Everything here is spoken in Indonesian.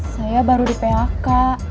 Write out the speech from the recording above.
saya baru di phk